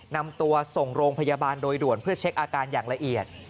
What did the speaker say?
นำตัวส่งโรงพยาบาลโดยด่วนเพื่อเช็คอาการอย่างละเอียด